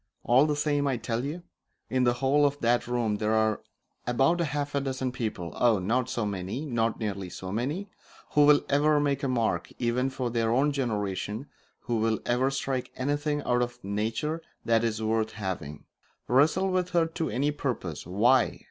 All the same, I tell you, in the whole of that room there are about half a dozen people, oh, not so many! not nearly so many! who will ever make a mark, even for their own generation, who will ever strike anything out of nature that is worth having wrestle with her to any purpose. Why?